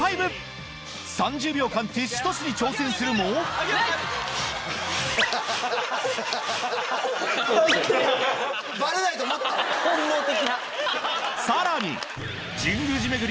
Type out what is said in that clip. ３０秒間ティッシュトスに挑戦するもさらに神宮寺が